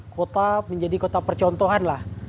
kota menjadi kota percontoh